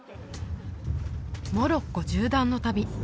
モロッコ縦断の旅